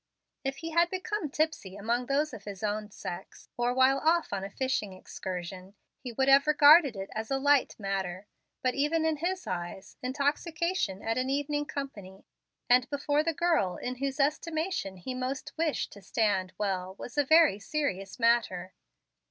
If he had become tipsy among those of his own sex, or while off on a fishing excursion, he would have regarded it as a light matter; but, even in his eyes, intoxication at an evening company, and before the girl in whose estimation he most wished to stand well, was a very serious matter.